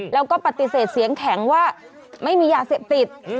แล้วก็ปฏิเสธเสียงแข็งว่าไม่มียาเสพติด